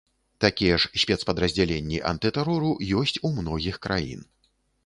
Такія ж спецпадраздзяленні антытэрору ёсць у многіх краін.